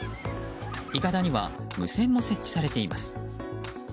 いかだには無線も設置されています。